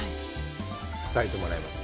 伝えてもらいます。